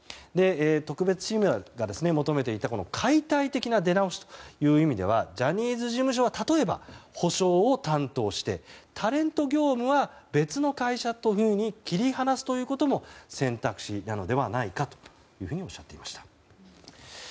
特別チームが求めていた解体的な出直しという意味ではジャニーズ事務所は例えば補償を担当してタレント業務は別の会社というふうに切り離すことも選択肢なのではないかとおっしゃっていました。